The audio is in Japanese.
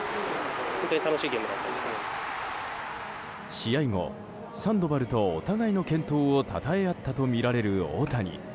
試合後サンドバルとお互いの健闘をたたえ合ったとみられる大谷。